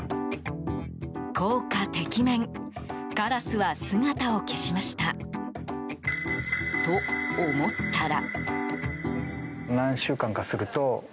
効果てきめんカラスは姿を消しました。と思ったら。